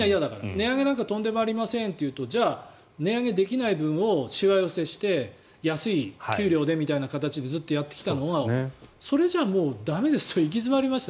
値上げなんてとんでもありませんっていうとじゃあ、値上げできない分をしわ寄せして安い給料でみたいな形でずっとやってきたのはそれじゃもう駄目ですと行き詰まりました